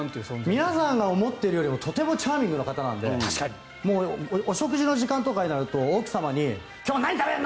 皆さんが思っているよりもとてもチャーミングな方なのでお食事の時間とかになると奥様に今日、何食べるの！